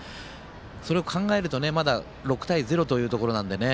それを考えるとまだ６対０というところなんでね